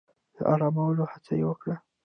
د آرامولو هڅه يې وکړه.